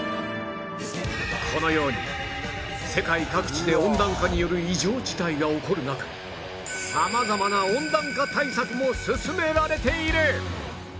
このように世界各地で温暖化による異常事態が起こる中様々な温暖化対策も進められている